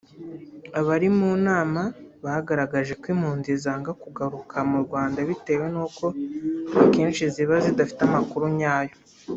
abari mu nama bagaragaje ko impunzi zanga kugaruka mu Rwanda bitewe nuko akenshi ziba zidafite amakuru nyayo